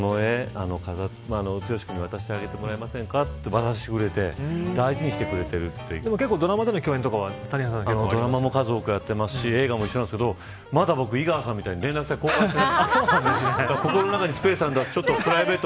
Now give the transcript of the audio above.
ちょっとこの絵渡してあげてもらえませんかって渡してくれてドラマでの共演とかはドラマも数多くやってますし映画もやってるんですけどまだ僕、井川さんみたいに連絡先、交換してない。